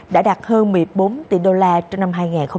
đã đạt hơn một mươi bốn tỷ đô la trong năm hai nghìn hai mươi ba